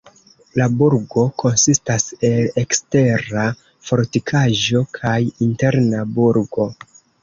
La burgo konsistas el ekstera fortikaĵo kaj interna burgo.